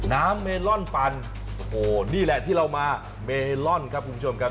เมลอนปั่นโอ้โหนี่แหละที่เรามาเมลอนครับคุณผู้ชมครับ